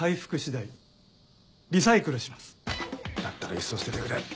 だったらいっそ捨ててくれ。